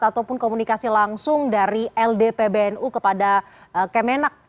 ataupun komunikasi langsung dari ldpbnu kepada kemenak